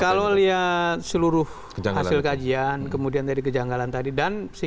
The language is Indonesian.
kalau lihat seluruh hasil kajian kemudian dari kejanggalan tadi